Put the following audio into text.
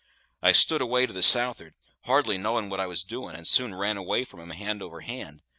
I stood away to the south'ard, hardly knowing what I was doin', and soon ran away from 'em hand over hand.